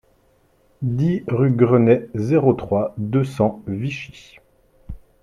dix rue Grenet, zéro trois, deux cents, Vichy